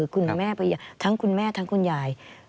คุณแม่ไปทั้งคุณแม่ทั้งคุณยาย